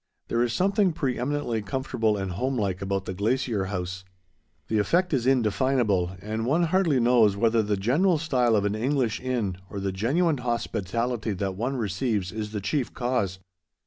There is something pre eminently comfortable and homelike about the Glacier House. The effect is indefinable, and one hardly knows whether the general style of an English inn, or the genuine hospitality that one receives, is the chief cause.